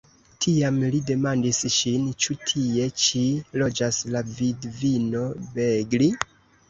Tiam li demandis ŝin: "Ĉu tie ĉi loĝas la vidvino Begli?"